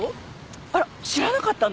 あら知らなかったの？